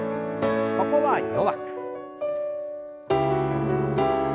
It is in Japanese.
ここは弱く。